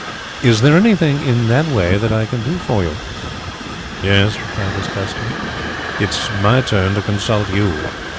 Is there anything in that way that I can do for you?" "Yes," replied his visitor; "it is my turn to consult you."